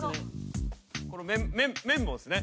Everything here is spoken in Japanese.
この綿棒っすね